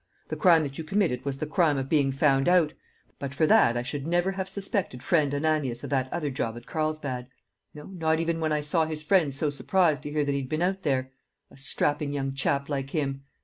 The crime that you committed was the crime of being found out; but for that I should never have suspected friend Ananias of that other job at Carlsbad; no, not even when I saw his friends so surprised to hear that he'd been out there a strapping young chap like 'im!